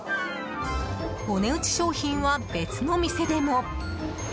お値打ち商品は別の店でも。